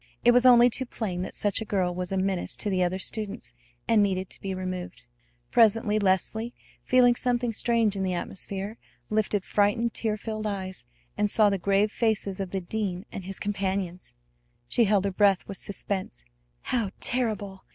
It was only too plain that such a girl was a menace to the other students, and needed to be removed. Presently Leslie, feeling something strange in the atmosphere, lifted frightened, tear filled eyes, and saw the grave faces of the dean and his companions! She held her breath with suspense. How terrible!